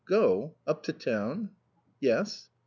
"Go? Up to town?" "Yes."